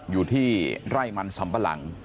อยู่ที่ไร่มันสำปะหลัง